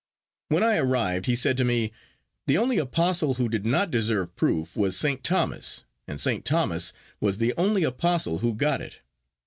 When I arrived, he said to me, "The only apostle who did not deserve proof was St. Thomas, and St. Thomas was the only apostle who got it."